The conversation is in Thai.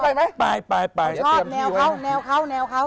เนี่ยเขา